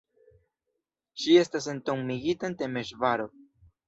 Ŝi estas entombigita en Temeŝvaro.